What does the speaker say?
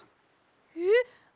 えっ！？